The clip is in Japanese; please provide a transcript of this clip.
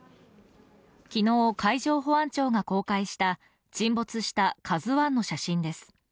昨日、海上保安庁が公開した沈没した「ＫＡＺＵⅠ」の写真です。